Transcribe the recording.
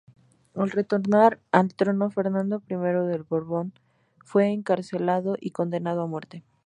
Al retornar al trono Fernando I de Borbón fue encarcelado y condenado a muerte.